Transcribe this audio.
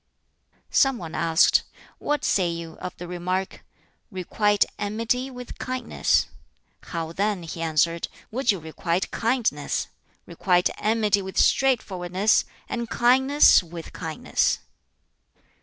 Some one asked, "What say you of the remark, 'Requite enmity with kindness'?" "How then," he answered, "would you requite kindness? Requite enmity with straightforwardness, and kindness with kindness."